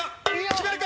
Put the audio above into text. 決めるか？